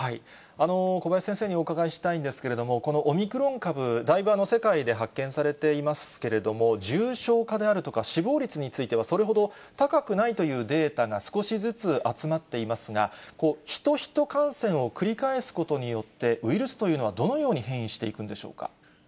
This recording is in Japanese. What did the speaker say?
小林先生にお伺いしたいんですけれども、このオミクロン株、だいぶ世界で発見されていますけれども、重症化であるとか、死亡率についてはそれほど高くないというデータが少しずつ集まっていますが、ヒトヒト感染を繰り返すことによって、ウイルスというのはどのように変異していくんでしょうか。